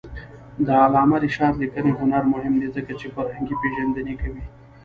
د علامه رشاد لیکنی هنر مهم دی ځکه چې فرهنګپېژندنه کوي.